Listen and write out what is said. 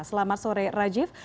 selamat sore rajif